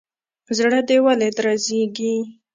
زړه دي ولي درزيږي.